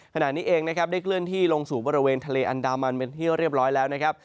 ขณะนี้เองนะครับได้เคลื่อนที่ลงสู่บริเวณทะเลอันดามันเป็นที่เรียบร้อยแล้วนะครับ